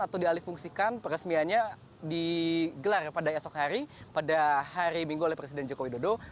atau dialih fungsikan peresmiannya digelar pada esok hari pada hari minggu oleh presiden joko widodo